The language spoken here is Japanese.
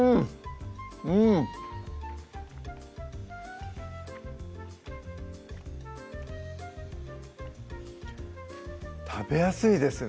うん食べやすいですね